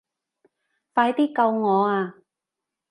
快啲救我啊